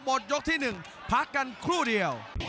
หมดยกที่๑พักกันครู่เดียว